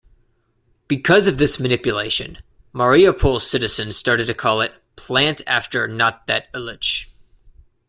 Because of this manipulation, Mariupol citizens started to call it "Plant after not-that-Illich".